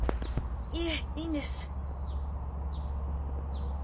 いえいいんです。